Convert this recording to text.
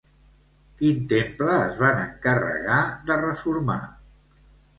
Quin temple es van encarregar de reformar?